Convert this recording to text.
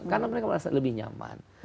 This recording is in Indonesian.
karena mereka merasa lebih nyaman